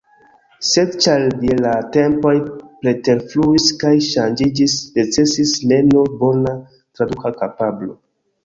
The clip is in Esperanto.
Sed ĉar ja la tempoj preterfluis kaj ŝanĝiĝis, necesis ne nur bona traduka kapablo.